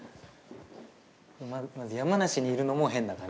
まず山梨にいるのも変な感じ。